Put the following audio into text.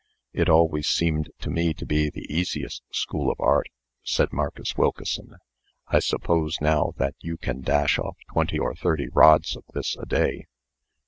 "It always seemed to me to be the easiest school of Art," said Marcus Wilkeson. "I suppose, now, that you can dash off twenty or thirty rods of this a day."